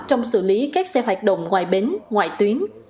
trong xử lý các xe hoạt động ngoài bến ngoài tuyến